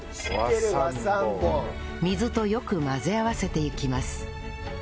水とよく混ぜ合わせていきます